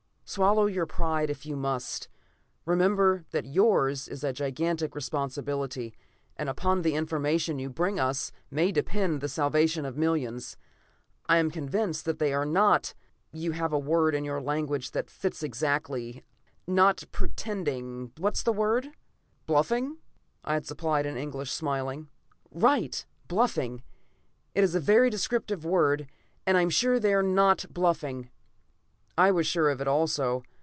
Swallow your pride if you must; remember that yours is a gigantic responsibility, and upon the information you bring us may depend the salvation of millions. I am convinced that they are not you have a word in your language that fits exactly. Not pretending ... what is the word?" "Bluffing?" I had supplied in English, smiling. "Right! Bluffing. It is a very descriptive word. I am sure they are not bluffing." I was sure of it also.